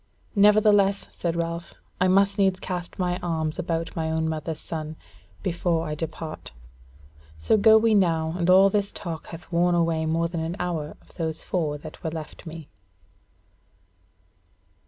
"Nevertheless," said Ralph, "I must needs cast my arms about my own mother's son before I depart: so go we now, as all this talk hath worn away more than an hour of those four that were left me."